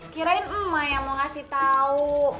kirain emak yang mau ngasih tau